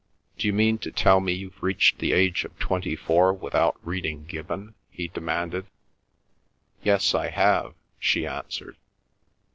"D'you mean to tell me you've reached the age of twenty four without reading Gibbon?" he demanded. "Yes, I have," she answered.